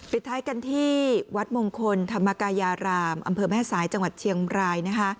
ปิดท้ายกันที่วัดมงคลธรรมกายารามอำเภอแม่สายจังหวัดเชียงราย